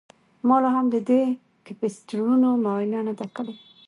ما لاهم د دې کیپیسټرونو معاینه نه ده کړې